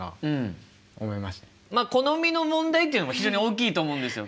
まあ好みの問題っていうのも非常に大きいと思うんですよ。